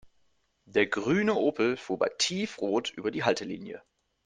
Der grüne Opel fuhr bei Tiefrot über die Haltelinie.